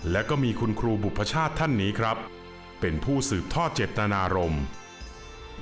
แล้วก็มีคุณครูบุพชาติท่านนี้ครับเป็นผู้สืบทอดเจตนารมณ์